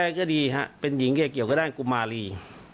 เป็นหญิงก็ดีครับเป็นหญิงแค่เกี่ยวก็ได้กุมารี